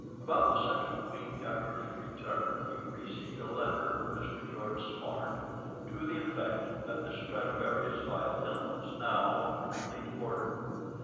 About the second week after his return he received a letter from Mr. George Smart to the effect that the Stradivarius violin was now in complete order.